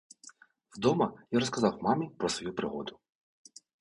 Вдома я розказав мамі про свою пригоду.